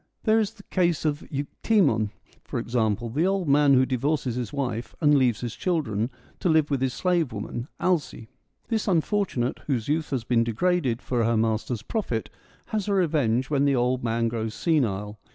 There is the case of Euctemon, for example — the old man who divorces his wife and leaves his children, to live with his slave woman, Alee. This unfortunate, whose youth has been degraded for her master's profit, has her revenge when the old man grows senile.